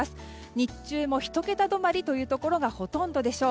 日中も１桁止まりというところがほとんどでしょう。